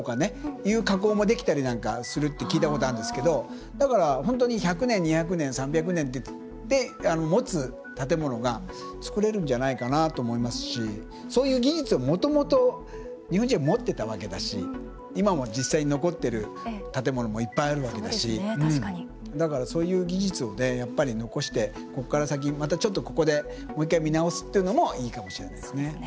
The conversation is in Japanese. そういう加工もできたりなんかするって聞いたことあるんですけどだから、本当に１００年２００年、３００年ってもつ建物が作れるんじゃないかなって思いますしそういう技術をもともと日本人は持ってたわけだし今も実際、残ってる建物がいっぱいあるわけだしそういう技術を残してまたここでもう１回見直すというのもいいかもしれないですね。